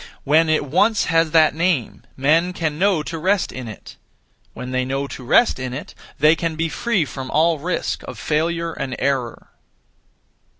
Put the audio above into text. When it once has that name, (men) can know to rest in it. When they know to rest in it, they can be free from all risk of failure and error.